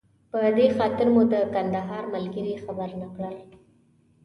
په دې خاطر مو د کندهار ملګري خبر نه کړل.